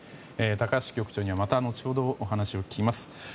高橋局長にはまた後ほどお話を聞きます。